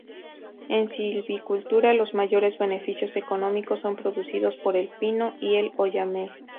En silvicultura los mayores beneficios económicos son producidos por el pino y el oyamel.